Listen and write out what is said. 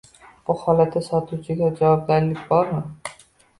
Bu holatda sotuvchiga javobgarlik bormi?